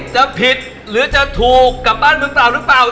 จะผิดหรือจะถูกกลับบ้านเมืองเปล่าหรือเปล่า